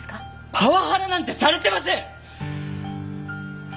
パワハラなんてされてません！